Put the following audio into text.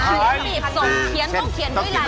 คุณอภิวัตรโตพิทักษ์ครับ